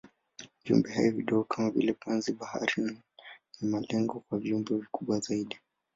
Viumbehai vidogo kama vile panzi-bahari ni malengo kwa viumbe vikubwa zaidi.